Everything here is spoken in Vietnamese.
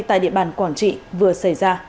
tại địa bàn quảng trị vừa xảy ra